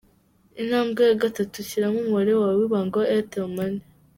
Intambwe ya gatandatu, shyiramo umubare wawe w’ibanga wa Airtel Money.